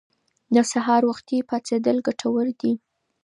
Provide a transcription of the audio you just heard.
د سهار وختي پاڅیدل ګټور دي.